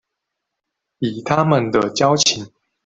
以他們的交情